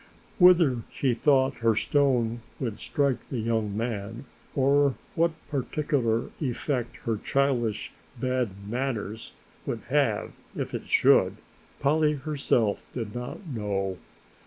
Whether she thought her stone would strike the young man or what particular effect her childish bad manners would have if it should, Polly herself did not know.